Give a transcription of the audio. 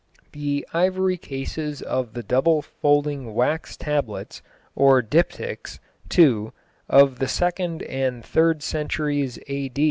The ivory cases of the double folding wax tablets or diptychs, too, of the second and third centuries, A.